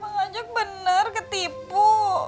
bang ojak bener ketipu